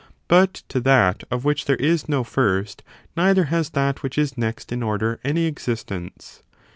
But to that of which there is no first, neither has that which is next in order any existence.